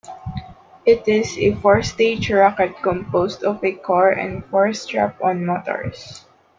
It is a four-stage rocket composed of a core and four strap-on motors.